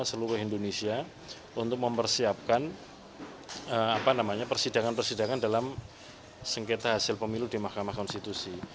seluruh indonesia untuk mempersiapkan persidangan persidangan dalam sengketa hasil pemilu di mahkamah konstitusi